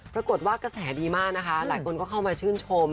ปรากฏว่ากระแสดีมากนะคะหลายคนก็เข้ามาชื่นชม